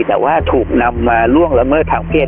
ค้าประเวณีแน่ว่าถูกนำมาล่วงและเมิดช่างเพศ